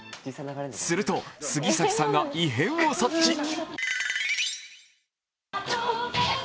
すると、杉咲さんが異変を察知。